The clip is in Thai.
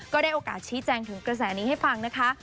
ได้โอกาสชี้แจงถึงกระแสนี้ให้ฟังนะคะ